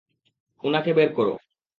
উনাকে বের করো!